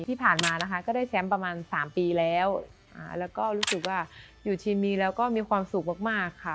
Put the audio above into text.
ที่ผ่านมานะคะก็ได้แชมป์ประมาณ๓ปีแล้วแล้วก็รู้สึกว่าอยู่ทีมนี้แล้วก็มีความสุขมากมากค่ะ